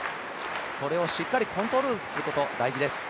それをしっかりコントロールすること、大事です。